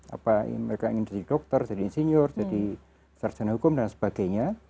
apa mereka ingin jadi dokter jadi insinyur jadi sarjana hukum dan sebagainya